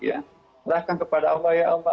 alahkan kepada allah ya allah